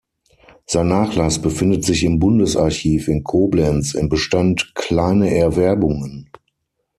Sein Nachlass befindet sich im Bundesarchiv in Koblenz im Bestand "Kleine Erwerbungen".